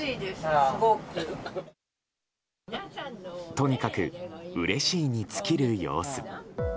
とにかくうれしいに尽きる様子。